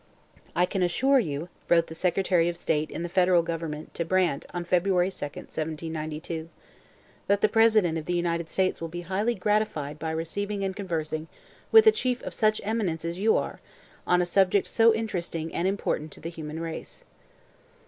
'I can assure you,' wrote the secretary of state in the federal government to Brant on February 2, 1792, 'that the President of the United States will be highly gratified by receiving and conversing with a chief of such eminence as you are, on a subject so interesting and important to the human race.'